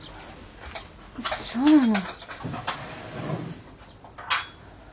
そうなの。